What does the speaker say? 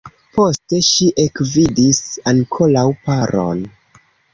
Poste ŝi ekvidis ankoraŭ paron.